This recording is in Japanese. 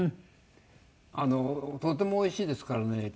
とてもおいしいですからね。